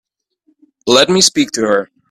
Let me speak to her.